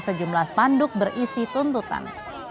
sejumlah spanduk berisi tuntutan